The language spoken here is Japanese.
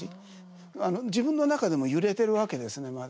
自分の中でも揺れてるわけですねまだ。